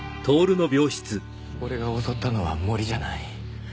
俺が襲ったのは森じゃない。